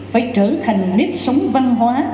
phải trở thành nếp sống văn hóa